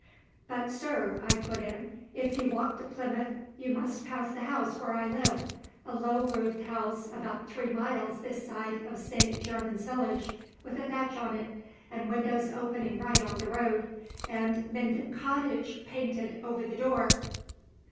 "But, sir," I put in, "if you walk to Plymouth you must pass the house where I live a low roofed house about three miles this side of St. Germans village, with a thatch on it, and windows opening right on the road, and 'Minden Cottage' painted over the door."